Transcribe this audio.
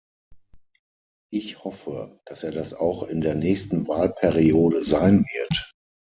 Ich hoffe, dass er das auch in der nächsten Wahlperiode sein wird.